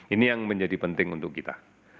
ini yang menjadi penting untuk kita